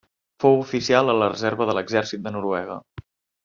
Fou oficial a la reserva de l'Exèrcit de Noruega.